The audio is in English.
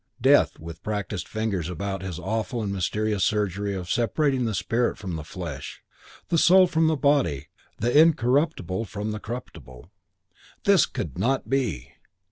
Death with practised fingers about his awful and mysterious surgery of separating the spirit from the flesh, the soul from the body, the incorruptible from the corruptible. It could not be!